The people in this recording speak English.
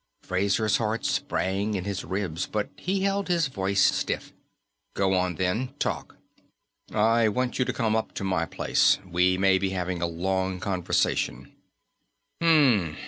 Fraser's heart sprang in his ribs, but he held his voice stiff. "Go on, then. Talk." "I want you to come up to my place. We may be having a long conversation."